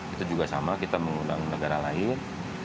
itu juga sama kita mengundang negara lain